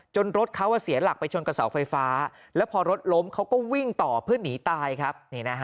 รถเขาเสียหลักไปชนกับเสาไฟฟ้าแล้วพอรถล้มเขาก็วิ่งต่อเพื่อหนีตายครับ